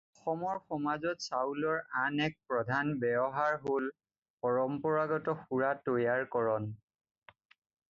অসমৰ সমাজত চাউলৰ আন এক প্ৰধান ব্যৱহাৰ হ'ল ‘পৰম্পৰাগত সুৰা তৈয়াৰকৰণ’।